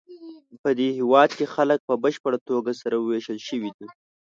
پدې هېواد کې خلک په بشپړه توګه سره وېشل شوي دي.